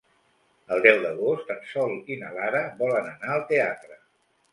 El deu d'agost en Sol i na Lara volen anar al teatre.